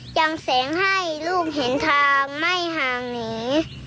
จังแสงให้ลูกเห็นทางไม่ห่างหนี